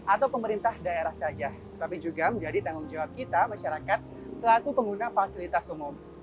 atau pemerintah daerah saja tapi juga menjadi tanggung jawab kita masyarakat selaku pengguna fasilitas umum